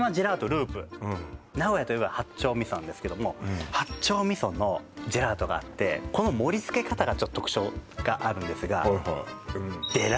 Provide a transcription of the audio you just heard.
Ｌｏｏｐ名古屋といえば八丁味噌なんですけども八丁味噌のジェラートがあってこの盛りつけ方がちょっと特徴があるんですがデラ！